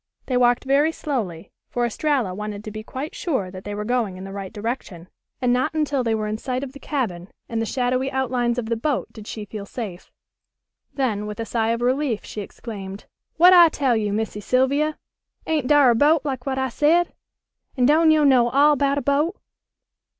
They walked very slowly, for Estralla wanted to be quite sure that they were going in the right direction, and not until they were in sight of the cabin and the shadowy outlines of the boat did she feel safe. Then with a sigh of relief she exclaimed: "Wat I tell yo', Missy Sylvia! Ain't dar a boat, like what I said? An' don' yo' know all 'bout a boat?